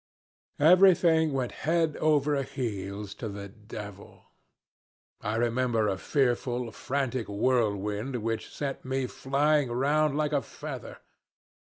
Everything went head over heels to the devil. I remember a fearful, frantic whirlwind which sent me flying round like a feather.